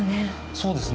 そうですね。